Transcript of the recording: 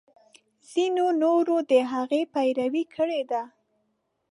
ځینو نورو د هغه پیروي کړې ده.